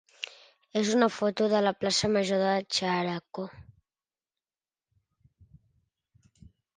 és una foto de la plaça major de Xeraco.